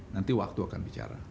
nanti waktu akan bicara